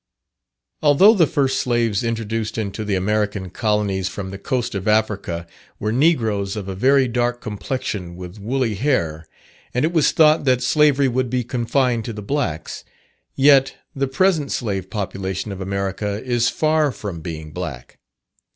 _ Although the first slaves, introduced into the American Colonies from the coast of Africa, were negroes of a very dark complexion with woolly hair, and it was thought that slavery would be confined to the blacks, yet the present slave population of America is far from being black.